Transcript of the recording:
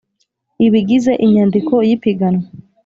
Ibigize inyandiko y ipiganwa